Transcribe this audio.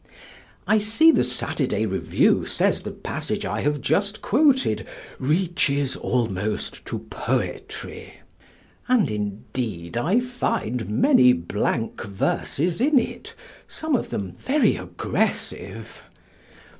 I see the Saturday Review says the passage I have just quoted "reaches almost to poetry," and indeed I find many blank verses in it, some of them very aggressive.